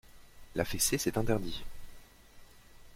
La fessée c'est interdit.